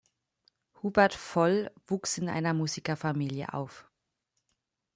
Hubert Fol wuchs in einer Musikerfamilie auf.